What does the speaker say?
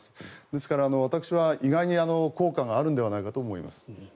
ですから、私は意外に効果があるのではないかと思います。